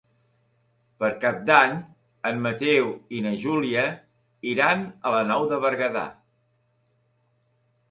Per Cap d'Any en Mateu i na Júlia iran a la Nou de Berguedà.